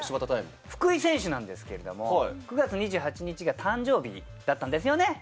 福井選手なんですけれども、９月２８日が誕生日だったんですよね？